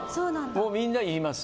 もう、みんな言います。